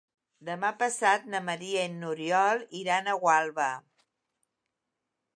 Demà passat na Maria i n'Oriol iran a Gualba.